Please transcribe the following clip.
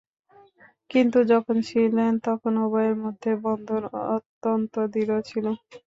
কিন্তু যখন ছিলেন তখন উভয়ের মধ্যে বন্ধন অত্যন্ত দৃঢ় ছিল।